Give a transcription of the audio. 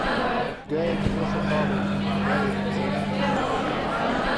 گایهکت رهشه خاڵۆ، گایهکت زهرده